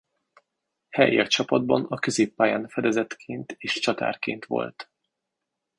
Helye a csapatban a középpályán fedezetként és csatárként volt.